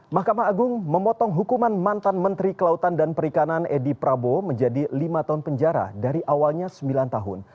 mahkamah agung memotong hukuman mantan menteri kelautan dan perikanan edi prabowo menjadi lima tahun penjara dari awalnya sembilan tahun